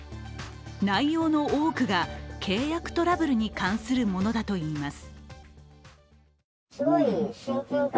内容の多くが契約トラブルに関するものだといいます。